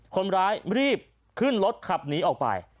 คนร้ายรีบขึ้นรถขับหนีออกไป